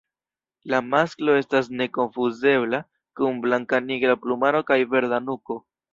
La masklo estas nekonfuzebla, kun blankanigra plumaro kaj verda nuko.